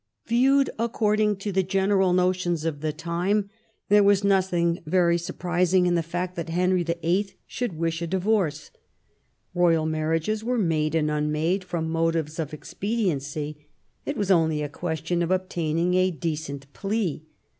Viewed according to the general notions of the time, there was nothing very surprising in the fact that Henry VIII. should wish for a divorce. Eoyal marriages were made and unmade from motives of expediency ; it was only a question of obtaining a decent plea.